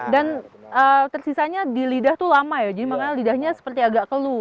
dan tersisanya di lidah tuh lama ya jadi makanya lidahnya seperti agak keluh